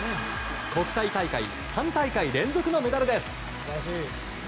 国際大会３大会連続メダルです。